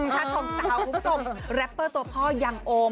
ชาติของเจ้ารัปเปอร์ตัวพ่อยังโอม